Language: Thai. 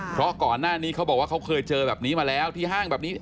เพราะก่อนหน้านี้เขาบอกว่าเขาเคยเจอแบบนี้มาแล้วที่ห้างแบบนี้